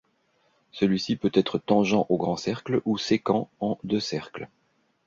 Celui-ci peut être tangent au grand cercle, ou sécant en deux cercles.